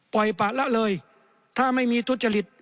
ปล่อยปะละเลยถ้าไม่มีทุจริต